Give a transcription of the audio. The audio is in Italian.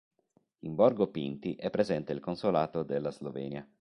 In Borgo Pinti è presente il consolato della Slovenia.